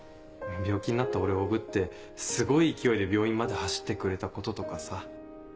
病気になった俺をおぶってすごい勢いで病院まで走ってくれたこととかさ。